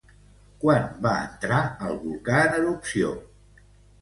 Quan va entrar el volcà en erupció?